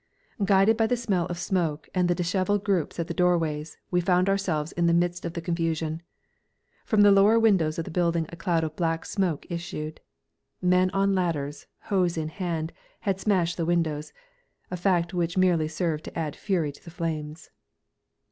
Guided by the smell of smoke and the dishevelled groups at the doorways, we found ourselves in the midst of the confusion. From the lower windows of the building a cloud of black smoke issued. Men on ladders, hose in hand, had smashed the windows a fact which merely served to add fury to the flames.